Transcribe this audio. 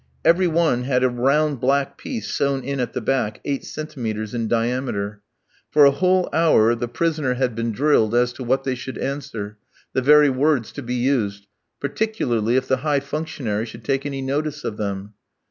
Every one had a round black piece sown in at the back, eight centimetres in diameter.) For a whole hour the prisoners had been drilled as to what they should answer, the very words to be used, particularly if the high functionary should take any notice of them.